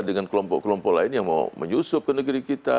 dengan kelompok kelompok lain yang mau menyusup ke negeri kita